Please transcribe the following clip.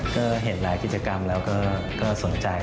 ก็เห็นหลายกิจกรรมแล้วก็สนใจ